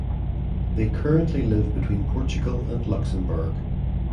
They currently live between Portugal and Luxembourg.